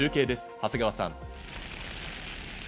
長谷川さん。